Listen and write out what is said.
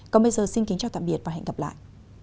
còn bây giờ xin kính chào tạm biệt và hẹn gặp lại